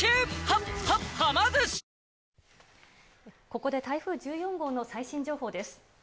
ここで台風１４号の最新情報です。